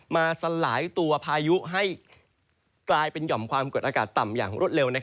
สลายตัวพายุให้กลายเป็นหย่อมความกดอากาศต่ำอย่างรวดเร็ว